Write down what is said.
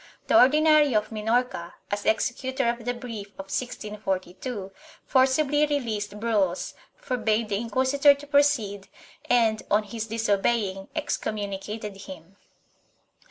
The Ordinary of Minorca, as executor of the brief of 1642, forcibly released Bruells, forbade the inquisitor to proceed and, on his disobeying, excommunicated him.